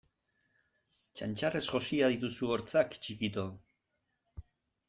Txantxarrez josia dituzu hortzak txikito!